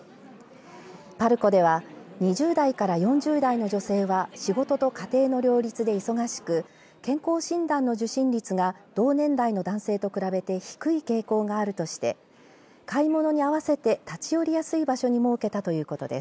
パルコでは２０代から４０代の女性は仕事と家庭の両立で忙しく健康診断の受診率が同年代の男性と比べて低い傾向があるとして買い物に合わせて立ち寄りやすい場所に設けたということです。